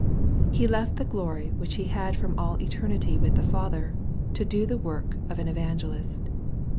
He left the glory which He had from all eternity with the Father, to do the work of an evangelist.